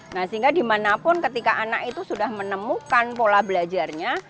nah sehingga dimanapun ketika anak itu sudah menemukan pola belajarnya